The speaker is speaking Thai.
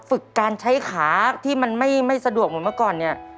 ฝึกการใช้ขาที่มันไม่สะดวกเหมือนเมื่อก่อนเนี่ย